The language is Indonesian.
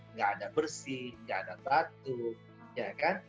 nggak ada bersih nggak ada batuk ya kan